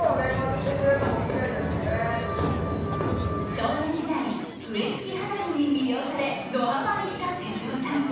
少年時代笛付き花火に魅了されドはまりした哲夫さん。